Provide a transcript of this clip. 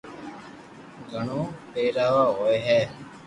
گھڙو پيروا ھوئي ھي